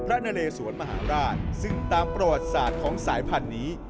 พระนเรศวรรษมหาราชซึ่งตามปราวาสาธิตของสายผันนี้